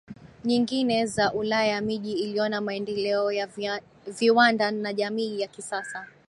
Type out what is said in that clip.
nyingine za Ulaya Miji iliona maendeleo ya viwanda na jamii ya kisasa